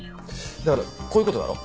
だからこういう事だろ？